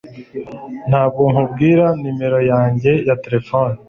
Ntabwo nkubwira numero yanjye ya terefone